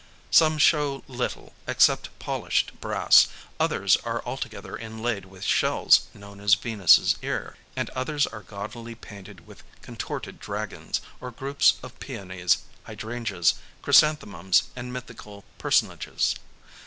Some show little except polished brass, others are altogether inlaid with shells known as Venus's ear, and others are gaudily painted with contorted dragons, or groups of peonies, hydrangeas, chrysanthemums, and mythical personages.